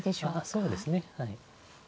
そうですねはい。